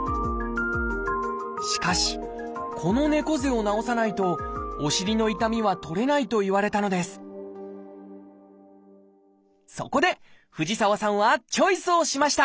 しかしこの猫背を直さないとお尻の痛みは取れないと言われたのですそこで藤沢さんはチョイスをしました！